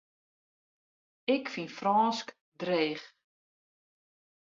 Ik fyn Frânsk dreech.